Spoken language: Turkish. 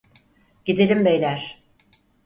Gidelim beyler!